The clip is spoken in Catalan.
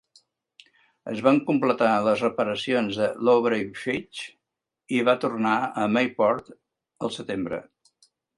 Es van completar les reparacions de l'Aubrey Fitch i va tornar a Mayport al setembre.